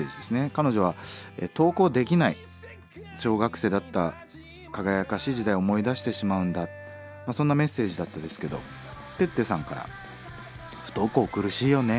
彼女は登校できない小学生だった輝かしい時代を思い出してしまうんだそんなメッセージだったですけどペッペさんから「不登校苦しいよね。